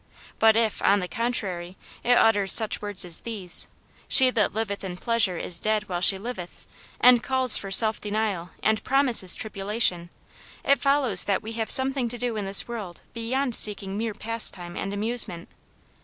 But if, on the contrary, it utters such words as these, " She that liveth in pleasure is dead while she liveth," and calls for self denial and promises tribulation, it follows that we have something to do in this world beyond seek ing mere pastime and amusement.